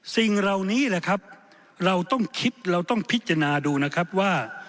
สิ่งเหล่านี้แหละครับเราต้องคิดเราต้องพิจารณาดูนะครับว่า